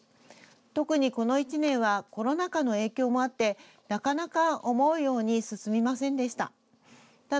特にこの１年はコロナ禍の影響もあってなかなか思うように進みませんでした。